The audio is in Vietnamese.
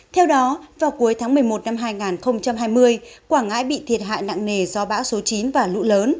theo đó vào cuối tháng một mươi một năm hai nghìn hai mươi quảng ngãi bị thiệt hại nặng nề do bão số chín và lũ lớn